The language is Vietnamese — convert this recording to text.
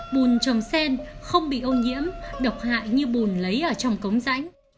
bùn trồng sen không bị ô nhiễm độc hại như bùn lấy ở trong cống rãnh